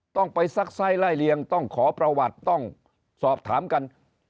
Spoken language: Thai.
ต้องไปซักไซส์ไล่เลียงต้องขอประวัติต้องสอบถามกัน